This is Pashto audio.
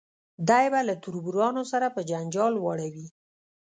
دی به له تربورانو سره په جنجال واړوي.